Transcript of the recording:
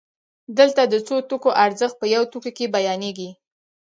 دلته د څو توکو ارزښت په یو توکي کې بیانېږي